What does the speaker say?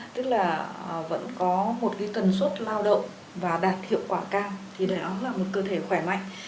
tức là vẫn có một tần suất lao động và đạt hiệu quả cao thì đó là một cơ thể khỏe mạnh